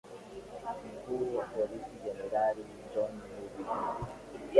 mkuu wa polisi generali john nubi